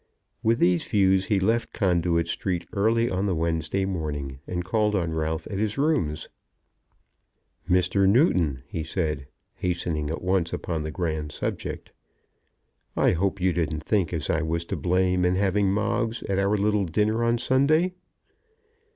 With these views he left Conduit Street early on the Wednesday morning, and called on Ralph at his rooms. "Mr. Newton," he said, hastening at once upon the grand subject, "I hope you didn't think as I was to blame in having Moggs at our little dinner on Sunday."